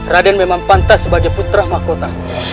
raden memang pantas sebagai putra mahkota